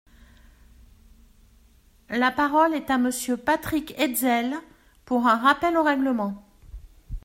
La parole est à Monsieur Patrick Hetzel, pour un rappel au règlement.